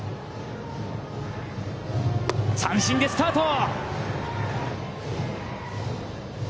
三振でスタート！